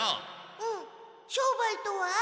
うん商売とは？